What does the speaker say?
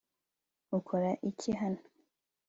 ukora iki hano